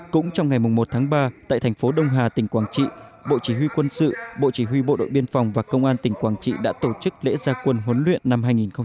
cũng trong ngày một tháng ba tại thành phố đông hà tỉnh quảng trị bộ chỉ huy quân sự bộ chỉ huy bộ đội biên phòng và công an tỉnh quảng trị đã tổ chức lễ gia quân huấn luyện năm hai nghìn hai mươi